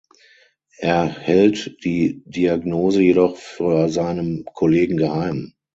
Er hält die Diagnose jedoch vor seinem Kollegen geheim.